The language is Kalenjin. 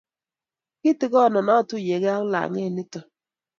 kiitikono atuyiegei ak lang'et nito